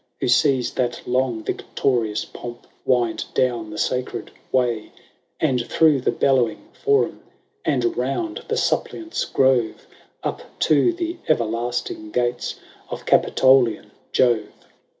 Who sees that long victorious pomp Wind down the Sacred Way, And through the bellowing Forum, " And round the Suppliant's Grove, Up to the everlasting gates Of Capitolian Jove.